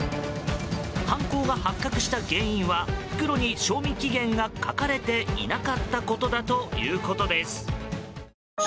犯行が発覚した原因は袋に、賞味期限が書かれていなかったことだということです。